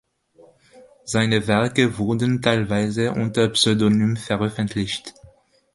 Seine Werke wurden teilweise unter Pseudonym veröffentlicht.